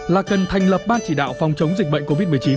là cần thành lập ban chỉ đạo phòng chống dịch bệnh covid một mươi chín